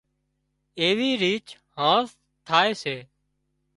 ايوي ريچ هانز ٿائي سي